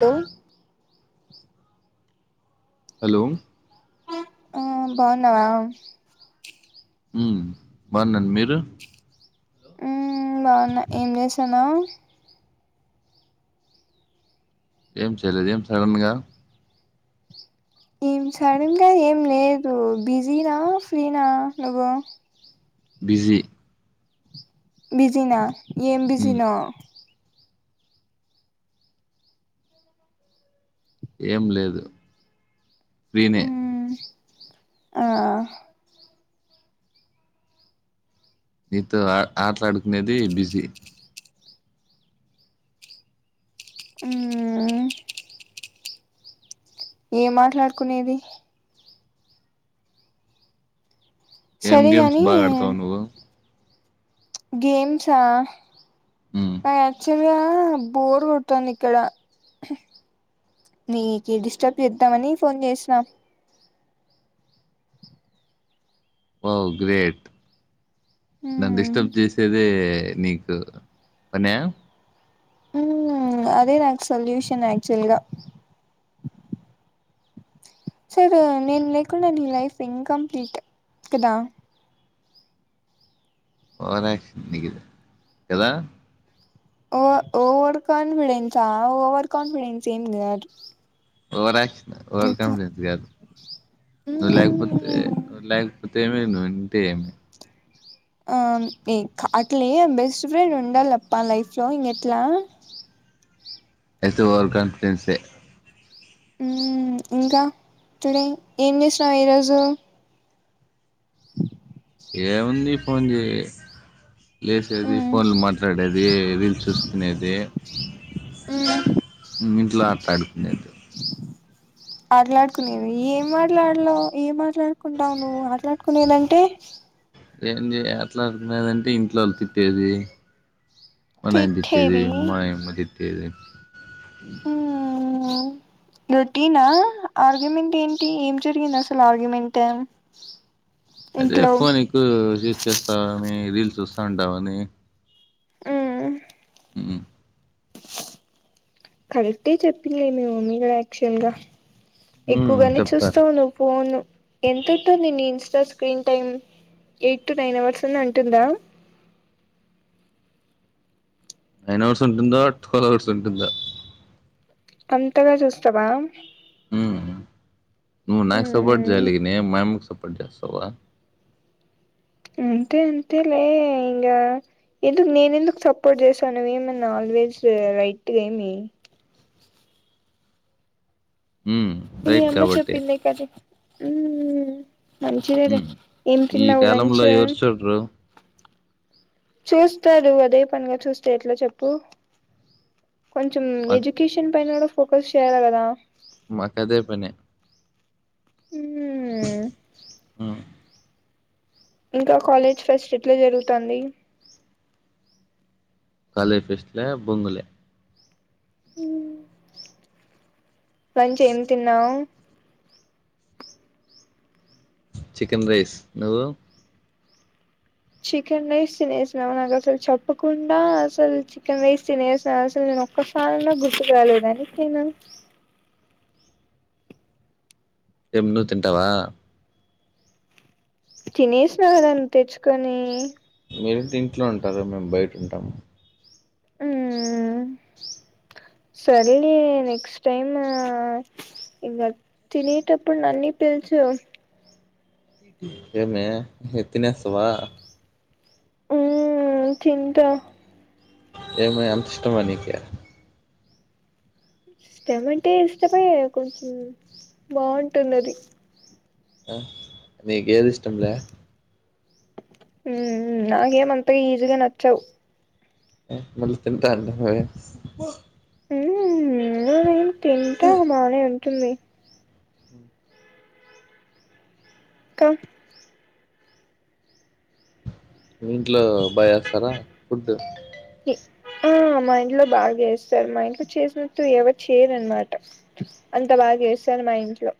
హ హలో ఆ బాగున్నావా ఉ బాన్నన్ మీరు బాగున్నా ఏం చేసాను ఏం చేయలేదు ఏం సడన్ గా ఏం సడన్ గా ఏం లేదు బిజీనా ఫ్రీనా నువు బిజీ బిజీనా ఏం హ్మ్. బిజీనో ఏం లేదు నినే మ్మ్ ఆ నీతో ఆటలాడుకునేది బిజీ హ్ మ్.. ఏం మాట్లాడుకునేది ఏం గేమ్స్ సరేగాని బాగా ఆడతావ్ నువ్వు గేమ్సా హ్మ్. అయి అచ్చు బోర్ కొడుతాంది ఇక్కడ నీకి డిస్టర్బ్ చేద్దామని ఫోన్ చేసినా ఓ గ్రేట్ నన్ మ్మ్ డిస్టర్బ్ చేసేదే నీకు పన్యా మ్ అదే నాకు సొల్యూషన్ ఆక్చువల్గా సరే నేను లేకుండా నీ లైఫ్ ఇంకంప్లీట్ కదా ఓవర్షన్ కదా ఓ ఓవర్ కాన్ఫిడెన్సా ఓవర్ కాన్ఫిడెన్స్ ఏం గాదు ఓవరాక్షన్ ఓవర్ కాన్ఫిడెన్స్ కాదు నువ్వు లేకపోతే నువ లేకపోతే ఏమీ ను ఇంటే ఏమి అ అట్లే బెస్ట్ ఫ్రెండ్ ఉండాలప్పా లైఫ్లో ఇ ఇట్ల అయితే ఓవర్ కాన్ఫిడెన్స్సే మ్ ఇంకా టుడే ఏం చేసినవు ఈరోజు ఆ ఏముంది ఫోన్ చే లేచేది ఫోన్లో మాట్లాడేది, రీల్స్ చూసుకునేది, ఇంట్లో ఆటలాడుకునేది ఆట్లాడుకునేవీ ఏం మాట్లాడలో ఏం మాట్లాడుకుంటావు నువ్వు అ ఆటల్ ఆడుకునేదంటే ఏం చేయ ఆటలాడ్కునేదంటే ఇంట్లో వాళ్ళు తిట్టేది మా నయన తిట్టేది అ మామ తిట్టేది ఇ రొటీనా ఆర్గ్యుమెంట్ ఏంటి ఏం జరిగింది అసల్ ఆర్గ్యుమెంట్ అదే ఇంట్లో ఫోన్ ఎక్కువ యూస్ చేస్తా అనీ రీల్స్ చూస్తా ఉంటావని ఆ ఉ కరెక్టే చెప్పిందిలే మీ మమ్మీ గుడా యాక్చువల్గా మ్మ్ ఎక్కువగానే చెప్తారు చూస్తావు ను ఫోన్ ఎంత అవుతుంది నీ Insta screen time eight to nine hours అని ఉంటుందా నైన్ అవర్స్ ఉంటుందో ట్వెల్వ్ అవర్స్ ఉంటుందొ అంతగా చూస్తావా మ్ నువ్ నాకు సొపోట్ చేయాలి నేన్ మయం కొట్టేస్తావా అంతే అంతే లే ఇంకా, ఎందుకు నేను ఎందుకు సపోర్ట్ చేశానువిమని ఆల్వేస్ రైట్గా ఏమి మ్మ్ మీ రైట్ అమ్మ కాబట్టి చెప్పింది కద ఉ మంచి మ్మ్ ఏం ఈ తిన్నావ్ లంచ్ కాలంలో ఎవరు చూడరు చూస్తాడు అదే పనిగా చూస్తే ఎట్లా చెప్పు కొంచెం మాక్ ఎడ్యుకేషన్ పైన కూడా ఫోకస్ చేయాలా కదా మాకాదే పనే మ్మ్ ఆ ఇంకా కాలేజ్ ఫెస్ట్ ఎట్లా జరుగుతాంది కాలే ఫెస్ట్ల బొంగలే మంచి ఏం తిన్నావు చికెన్ రైస్ నువ్వు చికెన్ రైస్ తినేసినాము నాకు అసలు చెప్పకుండా, అసలు చికెన్ రైస్ తినేసినాం అసలు నేను ఒక్కసారినా గుర్తు రాలేద నీకు నేను ఏం నువు తింటావా తినేసినావు కదాం తెచ్చుకొని మీరే ఇంట్లో ఉంటారు మేము బయట ఉంటాము మ్ సరేలే నెక్స్ట్ టైమ్ ఇక తినేటప్పుడు నన్ని పిలుచ్చు ఏమే తినేస్తావా ఉ చింత ఏమ అంత ఇష్టమా నికి ఇష్టటమ్ అంటే ఇష్టమే కొంచం బాగుంటుంది అది ఆ నికు ఏది ఇష్టంలే మ్ మ్ నాకేం అంత ఈజగా నచ్చావు్ మళ్లీ తింటా అండి పోయి హుమ్ ఎందుకు తిన్ తింటే బానే ఉంటుంది కమ్ ఇంట్లో బా చేస్తరా ఫుడ్ ఆ మా ఇంట్లో బాగా చేస్తారు మా ఇంట్లో చేసినట్టు ఎవరు చేయరనమాట అంత బాగా చేస్తారు మా ఇంట్లో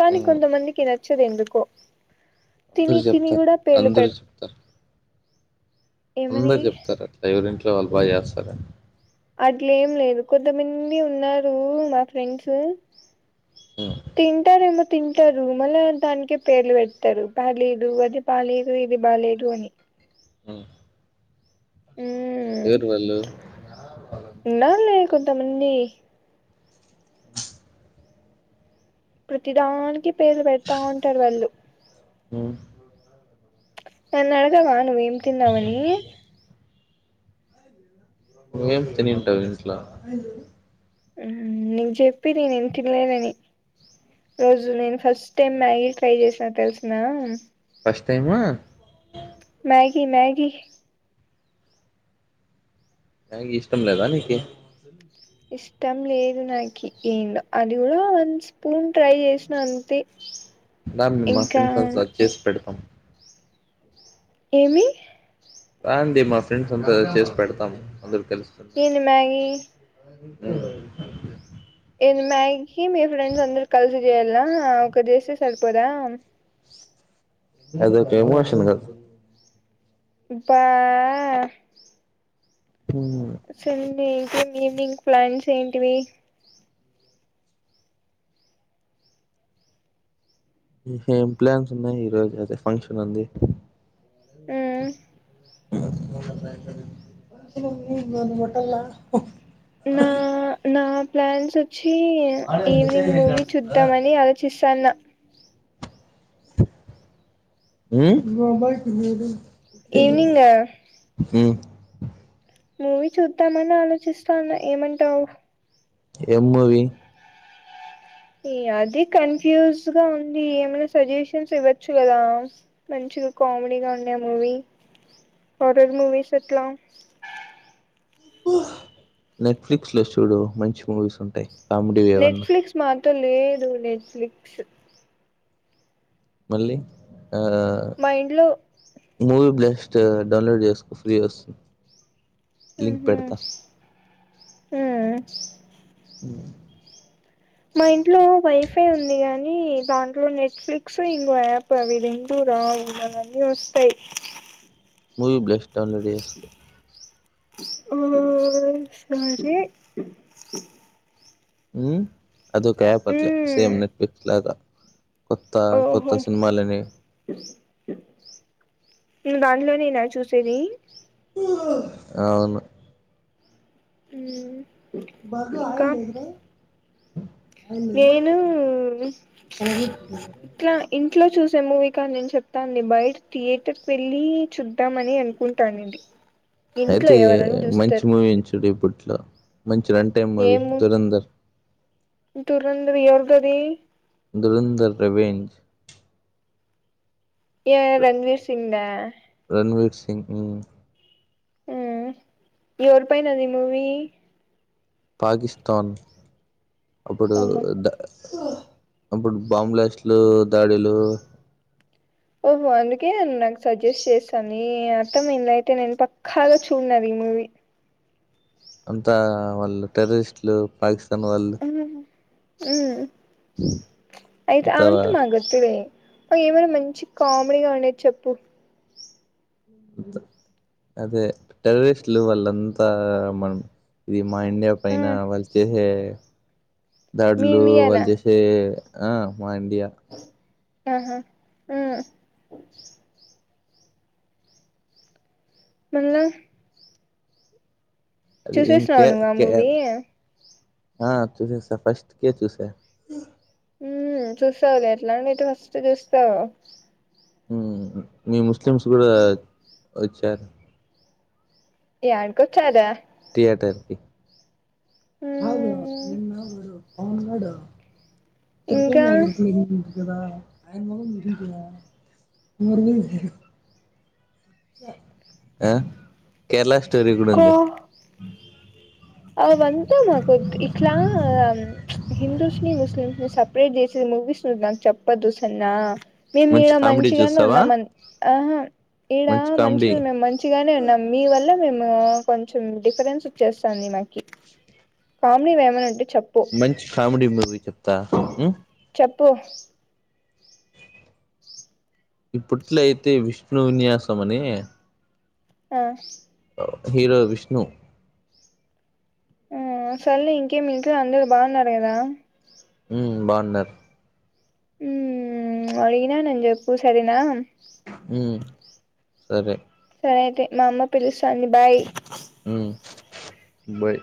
కానీ మ్మ్ కొంత మందికి నచ్ నచ్చదు ఎందుకో తిని అందరు తిని చెప్తారు గుడా పేర్లు అందరు పెడ చెప్తారు అందరు చెప్తరు అట్ట ఎవరి ఇ వాళ్ళు బా చేస్తారా అట్లేం లేదు కొంతమంది ఉన్నారు మా ఫ్రెండ్స్ మ్మ్ తింటారు ఏమో తింటారు మళ్ళా దానికే పేర్లు పెడతారు బాలేదు అది బాలేదు ఇది బాలేదు అని హమ్ ఉమ్ ఎవరు వాళ్ళు ఉన్నారులే కొంతమంది అ ప్రతి దానానికి పేర్రు పెడతా ఉంటారు వాళ్ళు హమ్ నాని అడగవా ఏం తినవు అని తిన్నావని ఏం తినింటవ్ ఇంట్లో హమ్ నేన్ చెప్పి నేను తినలేను అని రోజు నేను ఫస్ట్ తె మ్యాగీ ట్రై చేస్త తెలుసునా first time Maggi Maggi Maggi ఇష్టం లేదా నీకి ఇష్టం లేదు నాకి ఏందో అది కూడా వన్ స్పూన్ ట్రై చేసిన అంతే నా మేము మా ఇంకా ఫ్రెండ్స్ అంత సచ్ చేసి పెడతాం ఏమి అ అండి మా ఫ్రెండ్స్ అంత చేసి పెడతాం అంద ఏంది మ్యాగి ఏను మ్యాగీ మీ ఫ్రెండ్స్ అందరు కలిసి చేయాలనా ఒకరు చేస్తే సరిపోదా ఆది ఒక ఎమోషన్ క అబ్బా సర్లే ఈవినింగ్ ప్లాన్స్ ఏంటివి ఏం ప్లాన్స్ ఉన్నాయి ఈ రోజు అయితే ఫంక్షన్ ఉంది హమ్ మట్టలా నా నా ప్లాన్స్ వచి ఈవినింగ్ మూవీ చూద్దాంమని ఆలోచిస్త సన్నా హమ్ ఈవినింగ్ హమ్ మూవీ చూద్దామని ఆలోచిస్తాన్నా ఏమంటావు ఎం మూవీ ఈ అదే కన్ఫ్యూజ్ గా ఉంది ఏమైనా సజెషన్స్ ఇవ్వచ్చు కదా మంచి కామెడీగా ఉండే మూవీ హరర్ మూవీస్ అట్లా నెట్ఫ్లిక్స్ లో చూడు మంచి మూవీస్ ఉంటాయి కామెడీవి ఏవన్నా నెట్ఫ్లిక్స్ మా తో లేదు నెట్ఫ్లిక్స్ మళ్ళీ ఆ మా ఇంట్లో మూవీ బ్లస్ దే డౌన్లోడ్ చేసుకో ఫ్రీ వస్తుంది ఉ లింక్ హు పెడతా ఉ మా ఇంట్లో వైఫై ఉంది కాని దాంట్లో నెట్ఫ్లిక్స్ ఇంకో యాప్ అవి రెండు రావు అవన్నీ వస్తాయి మువి బ్లేస్ డౌన్లోడ్ చేసి ఉ సరే ఉ అది ఒక యాప్ అట్లే ఉమ్ సేమ్ నెట్ఫ్లిక్స్ లాగా కొత్త కొత్త సినిమాలని నువ్వు దాంట్లోనేనా చూసేది అవును ఉ బర్గ ఆయిల్ నద్ర నేను తలపెట్టుకుంటున్నా ఇట్లా ఇ ఇట్లో చూసే మూవీ కాదు నేను చెప్తాంది బయట థియేటర్స్ వెళ్ళి చూద్దామని అనుకుంటానింటి అయితే మంచి మూవీ ఉంది చూడు ఇప్పుడు ఇట్లా మంచి రన్ టైం మూవీ ఏమూ దురంధర్ దురంధర్ ఎవరిది అది దురంధర్ ప్రవీణ్ ఏ రణవీర్ సింగ్ దా రణవీర్ సింగ్ ఉ ఎవరి పైనది మూవీ పాకిస్తాన్ అప్పుడు ఓహో ద అప్పుడు బాంబ్ బాస్ట్లు, దాడులు ఓహో అందుకేన నాకు సజెస్ట్ చేస్తోంది అర్థం అయిందిలే అయితే నేను పక్కాగా చూడను ఆ మూవీ అంతా వాళ్ళు టెర్రరిస్ట్లు పాకిస్ అమ్మ వాళ్ళు హుమ్ అయితే అంతా అదంతా మాక్ వద్దులే ఏమైనా మంచి కామెడీగా ఉండేది చెప్పు అదే టెర్రరిస్ట్లు వాళ్ళంత ఆ మన ఇది మా ఇండియా పైన మ్మ్ వాళ్ళు చేసే మీ దాడులు వాళ్ళు ఇండియానా చేసే ఆ మా ఇండియా ఆహా హ్మ్ మళ్ళ అది చూసేసినావా ఇంకే నువ్వు ఆ కే మూవీ ఆ చూసేశా ఫస్ట్ కే చూసా హ్మ్ చూస్తావులే అట్లాంటివైతే ఫస్ట్ చూస్తావ్ హ్మ్ మీ ముస్లిమ్స్ కూడా వచ్చార్ యాడికొచ్చార్రా థియేటర్ కి అవును మ్మ్ నిన్న ఊ ఆ ఉన్నాడు ఇంకా [unintelligible] [inaudible] ఆ కేరళ టరి కూడా ఉంది అ వంతా మాకుద్ ఇట్లా హిందూస్ ని ముస్లిమ్స్ ని సపరేట్ చేసే మూవీస్ ను నాకు చెప్పదు సరేన్న మేము మంచి ఈడ కామెడీ మంచిగానే చూస్తావా ఉన్నాం, ఆహా ఇడ మంచి కామెడీ మనుషులు మేము మంచిగానే ఉన్నాం మీ వల్ల మేము అ కొంచెం డిఫరెన్స్ వచ్చేస్తుంది మాకు కామిణి వేమన అంట మంచి కామెడీ మూవీ చెప్తా మ్ చెప్పు ఇప్పట్లోయితే విష్ణు విన్యాసం అని ఆ హీరో విష్ణు ఆ సల్ ఇంకేమ అంద బాగున్నారు కాదా హ్మ్మ్ బావున్నారు ఉ అడిగిననీ చెప్పు సరేనా హ్మ్మ్ సరే అయితే మా అమ్మ పిలుస్తాంది బాయ్ హ్మ్మ్ బై